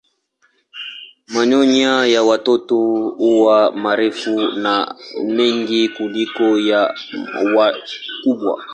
Manyoya ya watoto huwa marefu na mengi kuliko ya wakubwa.